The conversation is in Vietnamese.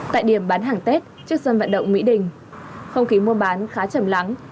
tại điểm bán hàng tết trước sân vận động mỹ đình không khí mua bán khá chầm lắng